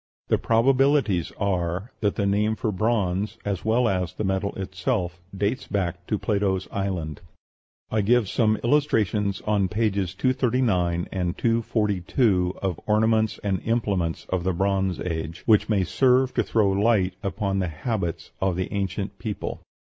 The probabilities are that the name for bronze, as well as the metal itself, dates back to Plato's island. I give some illustrations on pages 239 and 242 of ornaments and implements of the Bronze Age, which may serve to throw light upon the habits of the ancient people.